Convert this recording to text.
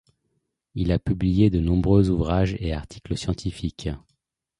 Il a publié de nombreux ouvrages et articles scientifiques.